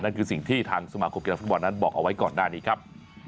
คือสิ่งที่ทางสมาคมกีฬาฟุตบอลนั้นบอกเอาไว้ก่อนหน้านี้ครับ